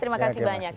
terima kasih banyak